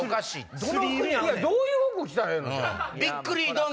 どういう服着たらええの？